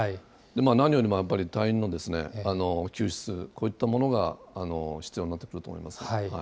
何よりもやっぱり隊員の救出、こういったものが必要になってくると思います。